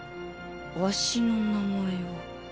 わしの名前を。